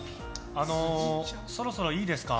あのそろそろいいですか？